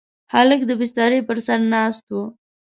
هلک د بسترې پر سر ناست و.